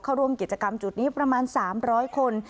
เข้าร่วมกิจกรรมจุดนี้ประมาณ๓๐๐คน